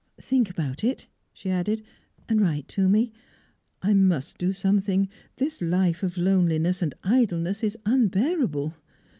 "Think about it," she added, "and write to me. I must do something. This life of loneliness and idleness is unbearable."